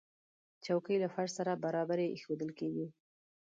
چوکۍ له فرش سره برابرې ایښودل کېږي.